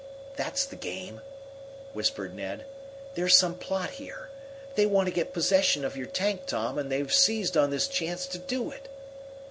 "That's the game!" whispered Ned. "There's some plot here. They want to get possession of your tank, Tom, and they've seized on this chance to do it."